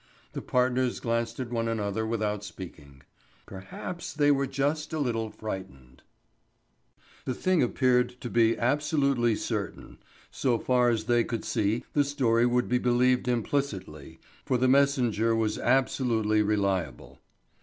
The partners glanced at one another without speaking. Perhaps they were just a little frightened. The thing appeared to be absolutely certain. So far as they could see, the story would be believed implicitly, for The Messenger was absolutely reliable.